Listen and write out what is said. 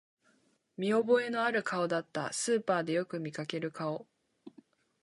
見覚えのある顔だった、スーパーでよく見かける顔